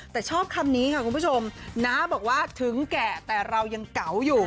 แต่ชอบคำนี้ค่ะคุณผู้ชมน้าบอกว่าถึงแก่แต่เรายังเก๋าอยู่